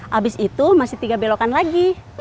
habis itu masih tiga belokan lagi